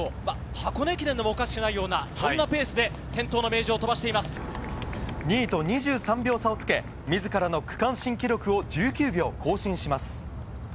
箱根駅伝でもおかしくないような、そんなペースで先頭の名城、２位と２３秒差をつけ、みずからの区間新記録を１９秒更新します。